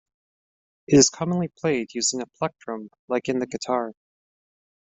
It is commonly played using a plectrum like in the guitar.